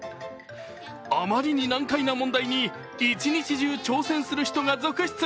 あまりに難解な問題に一日中挑戦する人が続出。